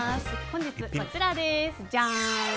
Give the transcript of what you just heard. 本日こちらです。